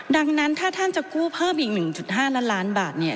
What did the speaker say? ดังนั้นถ้าท่านจะกู้เพิ่มอีก๑๕ล้านล้านบาทเนี่ย